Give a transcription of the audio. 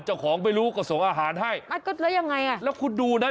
เจ้าของไม่รู้ก็ส่งอาหารให้ไม่ก็แล้วยังไงอ่ะแล้วคุณดูนะ